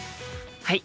はい。